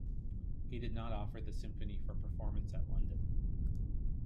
He did not offer the symphony for performance at London.